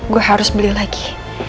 gue harus beli lagi